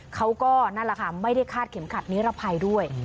เขาก็นั่นแหละค่ะไม่ได้คาดเข็มขัดนิรภัยด้วย